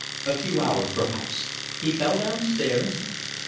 "A few hours, perhaps. He fell downstairs?"